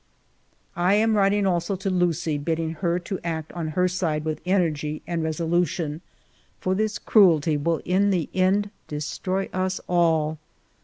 I am writing also to Lucie, bidding her to act on her side with energy and resolution, for this cruelty will in the end destroy us all.